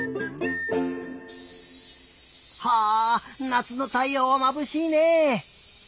はあなつのたいようはまぶしいね。